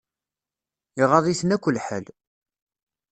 Iɣaḍ-iten akk lḥal.